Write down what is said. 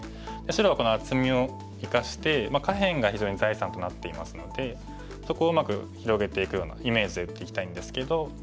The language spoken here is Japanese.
白はこの厚みを生かして下辺が非常に財産となっていますのでそこをうまく広げていくようなイメージで打っていきたいんですけど。